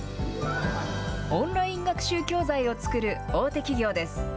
オンライン学習教材を作る大手企業です。